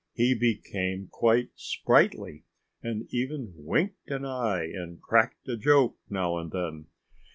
He became quite sprightly and even winked an eye and cracked a joke now and then.